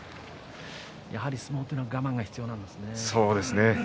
やはり相撲は我慢が必要なんですね。